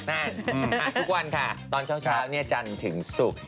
ทุกวันค่ะตอนเช้าเนี่ยจันทร์ถึงศุกร์